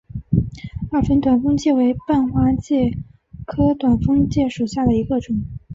二分短蜂介为半花介科短蜂介属下的一个种。